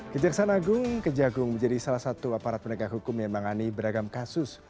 kejaksaan agung kejagung menjadi salah satu aparat penegak hukum yang menangani beragam kasus